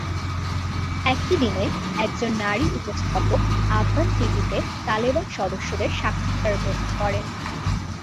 একই দিন একজন নারী উপস্থাপক আফগান টিভিতে তালেবান সদস্যের সাক্ষাৎকার গ্রহণ করেন।